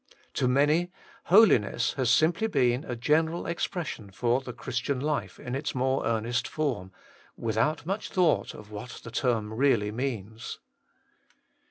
To many, holiness has simply been a general expression for the Christian life in its more earnest form, without much thought of what the term really means.